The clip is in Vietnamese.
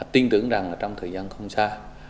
tin tưởng rằng trong thời gian không xa